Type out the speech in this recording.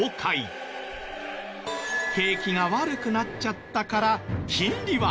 景気が悪くなっちゃったから金利は。